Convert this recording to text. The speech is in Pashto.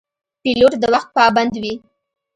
پیلوټ د وخت پابند وي.